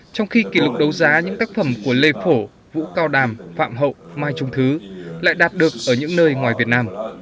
trong khi kỷ lục đấu giá những tác phẩm của lê phổ vũ cao đàm phạm hậu mai trung thứ lại đạt được ở những nơi ngoài việt nam